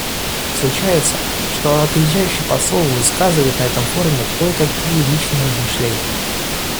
Случается, что отъезжающий посол высказывает на этом форуме кое-какие личные размышления.